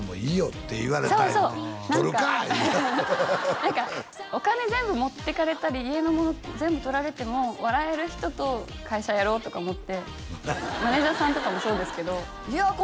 いう何かお金全部持ってかれたり家のもの全部とられても笑える人と会社やろうとか思ってマネージャーさんとかもそうですけどいや